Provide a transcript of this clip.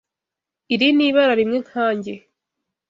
Iri ni ibara rimwe nkanjye.